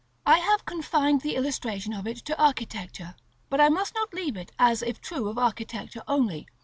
I have confined the illustration of it to architecture, but I must not leave it as if true of architecture only.